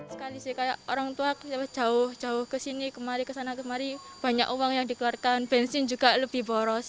sekali sih kayak orang tua jauh jauh ke sini kemari kesana kemari banyak uang yang dikeluarkan bensin juga lebih boros